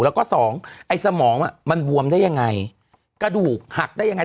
แล้วก็สองไอ้สมองอ่ะมันบวมได้ยังไงกระดูกหักได้ยังไง